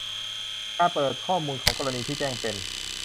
การเปิดข้อมูลของกรณีที่แจ้งเป็น